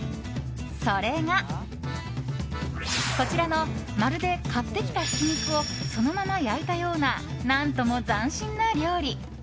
それが、こちらのまるで買ってきたひき肉をそのまま焼いたような何とも斬新な料理。